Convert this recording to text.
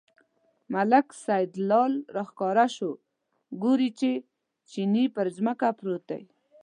ملک سیدلال راښکاره شو، ګوري چې چیني پر ځمکه پروت دی.